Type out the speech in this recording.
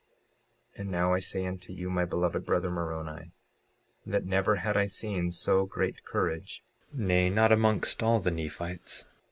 56:45 And now I say unto you, my beloved brother Moroni, that never had I seen so great courage, nay, not amongst all the Nephites.